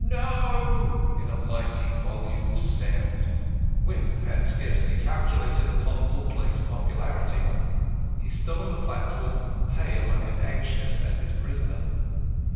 "No!" in a mighty volume of sound. Wimp had scarcely calculated upon Mortlake's popularity. He stood on the platform, pale and anxious as his prisoner.